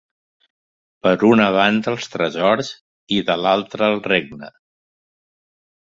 Per una banda els tresors i de l'altra el regne.